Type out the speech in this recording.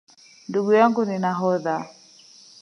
Ndugu yangu ni nahodha